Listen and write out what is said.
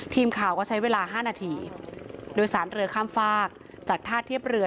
ทีมข่าวก็ใช้เวลา๕นาทีโดยสารเรือข้ามฝากจากท่าเทียบเรือ